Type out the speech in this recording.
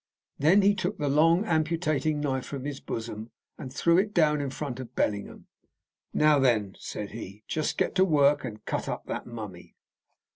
Then he took the long amputating knife from his bosom, and threw it down in front of Bellingham. "Now, then," said he, "just get to work and cut up that mummy."